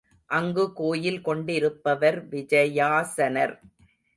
அங்கு கோயில் கொண்டிருப்பவர் விஜயாசனர்.